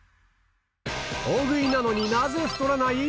大食いなのになぜ太らない？